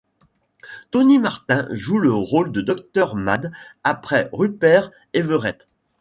Tony Martin joue le rôle de Docteur Mad après Rupert Everett.